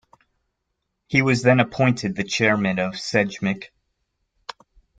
He was then appointed the Chairman of "sejmik".